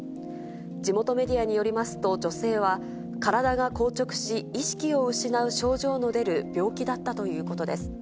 地元メディアによりますと、女性は体が硬直し、意識を失う症状の出る病気だったということです。